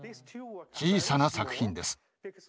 小さな作品です。